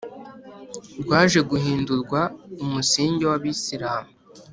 rwaje guhindurwa umusigi w’ Abasilamu